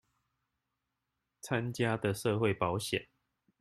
參加的社會保險